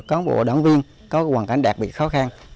cán bộ đảng viên có hoàn cảnh đặc biệt khó khăn